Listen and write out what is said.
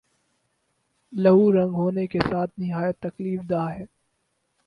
لہو رنگ ہونے کے ساتھ نہایت تکلیف دہ ہے